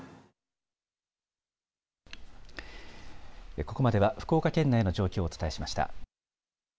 ここまでは福岡県内の状況をお伝えしました。